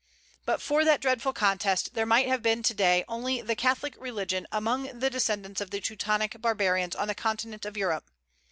But for that dreadful contest, there might have been to day only the Catholic religion among the descendants of the Teutonic barbarians on the continent of Europe.